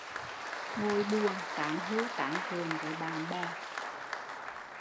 Ngồi buồn tán hươu tán vượn với bạn bè